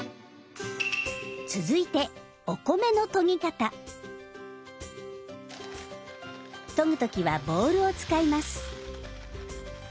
続いてとぐ時はボウルを使います。